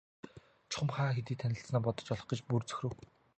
Чухам хаа хэдийд танилцсанаа бодож олох гэж бүр цөхрөв.